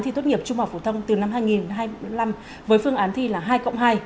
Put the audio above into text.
thi tốt nghiệp trung học phổ thông từ năm hai nghìn năm với phương án thi là hai cộng hai